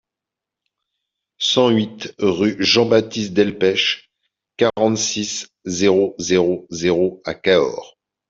cent huit rue Jean Baptiste Delpech, quarante-six, zéro zéro zéro à Cahors